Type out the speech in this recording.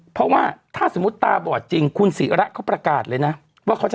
เพราะว่าถ้าสมมุติตาบอดจริงคุณศิระเขาประกาศเลยนะว่าเขาจะ